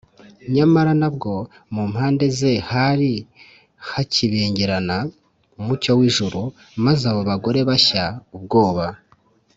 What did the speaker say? nyamara nabwo, mu mpande ze hari hakibengerana umucyo w’ijuru, maze abo bagore bashya ubwoba